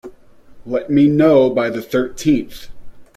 Let me know by the thirteenth.